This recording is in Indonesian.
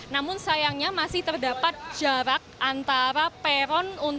namun sayangnya masih terdapat jarak antara peron